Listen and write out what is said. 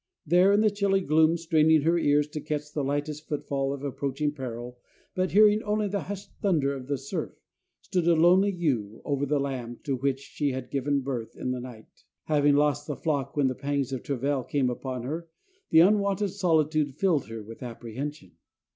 There in the chilly gloom, straining her ears to catch the lightest footfall of approaching peril, but hearing only the hushed thunder of the surf, stood a lonely ewe over the lamb to which she had given birth in the night. Having lost the flock when the pangs of travail came upon her, the unwonted solitude filled her with apprehension.